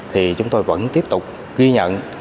thì chúng tôi vẫn tiếp tục ghi nhận